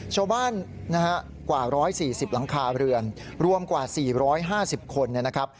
ชาวบ้านนะฮะกว่า๑๔๐หลังคาเรือนรวมกว่า๔๕๐คนนะครับ